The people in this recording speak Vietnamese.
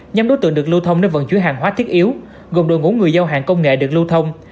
nhóm đối tượng được lưu thông để vận chuyển hàng hóa thiết yếu gồm đội ngũ người giao hàng công nghệ được lưu thông